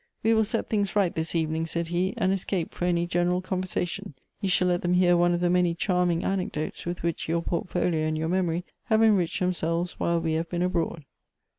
"We will set things right this evening,'' said he, "and escape from any general conversation ; you shall let them hear one of the many charming anecdotes with which your portfolio and your memory have enriched them selves while we have been abroad."